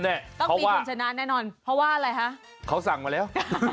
ต้องมีคนชนะแน่นอนเพราะว่าอะไรฮะเขาสั่งมาแล้ว